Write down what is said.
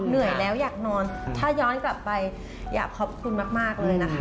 เหนื่อยแล้วอยากนอนถ้าย้อนกลับไปอยากขอบคุณมากเลยนะคะ